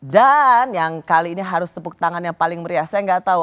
dan yang kali ini harus tepuk tangan yang paling meriah saya gak tau